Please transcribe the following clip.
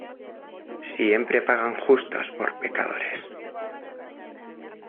Siempre pagan justos por pecadores.